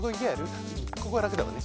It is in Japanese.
ここはらくだわね